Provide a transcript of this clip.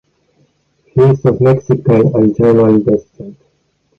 He is of Mexican and German descent.